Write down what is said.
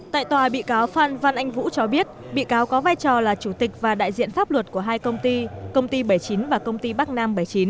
tại tòa bị cáo phan văn anh vũ cho biết bị cáo có vai trò là chủ tịch và đại diện pháp luật của hai công ty công ty bảy mươi chín và công ty bắc nam bảy mươi chín